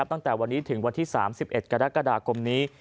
ตั้งแต่วันนี้ถึงวันที่๓๑กรกฎาคมนี้